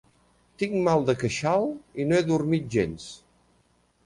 Tinc mal de queixal i no he dormit gens.